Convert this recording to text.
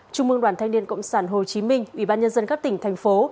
trung mương đoàn thanh niên cộng sản hồ chí minh ủy ban nhân dân các tỉnh thành phố